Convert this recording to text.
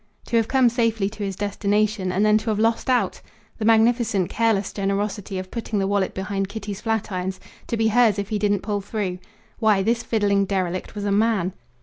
To have come safely to his destination, and then to have lost out! The magnificent careless generosity of putting the wallet behind Kitty's flatirons, to be hers if he didn't pull through! Why, this fiddling derelict was a man!